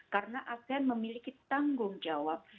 karena asean memiliki tanggung jawab